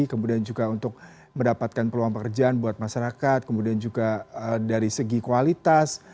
kemudian juga untuk mendapatkan peluang pekerjaan buat masyarakat kemudian juga dari segi kualitas